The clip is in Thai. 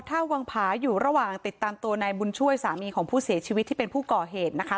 ท่าวังผาอยู่ระหว่างติดตามตัวนายบุญช่วยสามีของผู้เสียชีวิตที่เป็นผู้ก่อเหตุนะคะ